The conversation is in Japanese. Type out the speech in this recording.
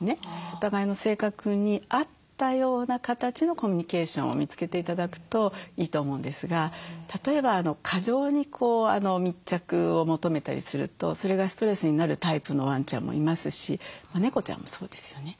お互いの性格に合ったような形のコミュニケーションを見つけて頂くといいと思うんですが例えば過剰に密着を求めたりするとそれがストレスになるタイプのワンちゃんもいますし猫ちゃんもそうですよね。